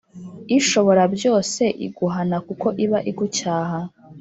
Ishoborabyose iguhana kuko iba igucyaha